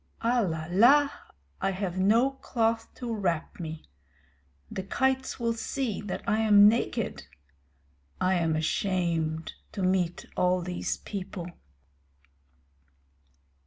Alala! I have no cloth to wrap me. The kites will see that I am naked. I am ashamed to meet all these people.